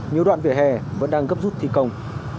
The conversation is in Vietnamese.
nhiều đoạn vỉa hè vẫn đang gấp rút thi công